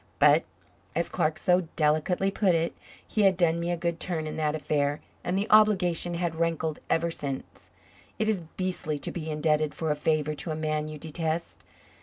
But, as Clark so delicately put it, he had done me a good turn in that affair and the obligation had rankled ever since. It is beastly to be indebted for a favor to a man you detest.